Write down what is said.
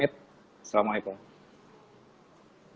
assalamualaikum warahmatullahi wabarakatuh